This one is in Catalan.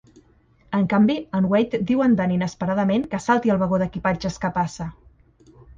En canvi, en Wade diu a en Dan inesperadament que salti al vagó d'equipatges que passa.